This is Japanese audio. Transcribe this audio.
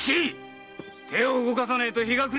手を動かさねえと日が暮れちまうぞ！